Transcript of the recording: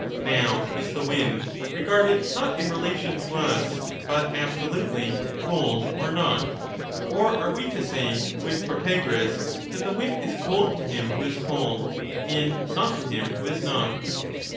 Now is the wind, regarded not in relation to us but absolutely, cold or not ; or are we to say, with Protagoras, that the wind is cold to him who is cold, and not to him who is not